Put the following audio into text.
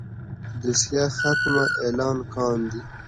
دوسيه ختمه اعلان کاندي.